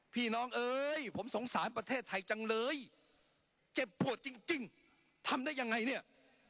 น้องเอ้ยผมสงสารประเทศไทยจังเลยเจ็บปวดจริงทำได้ยังไงเนี่ย